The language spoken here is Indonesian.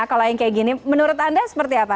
kalau yang kayak gini menurut anda seperti apa